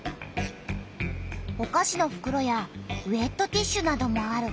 おかしのふくろやウエットティッシュなどもある。